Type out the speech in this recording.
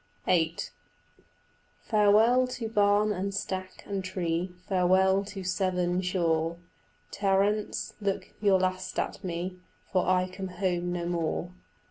VIII "Farewell to barn and stack and tree, Farewell to Severn shore. Terence, look your last at me, For I come home no more.